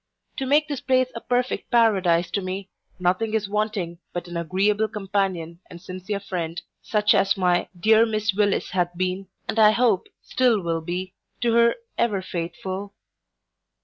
To make this place a perfect paradise to me, nothing is wanting but an agreeable companion and sincere friend; such as my dear miss Willis hath been, and I hope still will be, to her ever faithful.